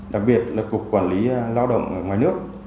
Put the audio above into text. đặc biệt là cục quản lý lao động ngoài nước